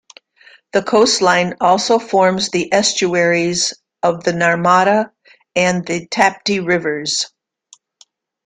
The coastline also forms the estuaries of the Narmada and the Tapti Rivers.